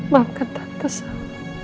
maafkan tante sal